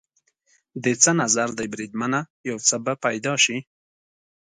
دې څه نظر دی بریدمنه؟ یو څه به پیدا شي.